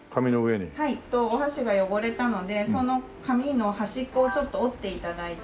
お箸が汚れたのでその紙の端っこをちょっと折って頂いて。